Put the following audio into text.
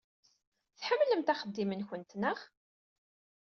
Tḥemmlemt axeddim-nwent, naɣ?